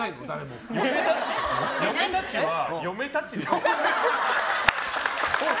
嫁たちは嫁たちですよ。